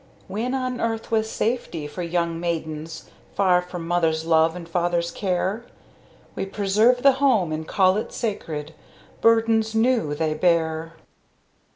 When on earth was safety for young maidens Far from mother's love and father's care? We preserve The Home, and call it sacred Burdens new they bear.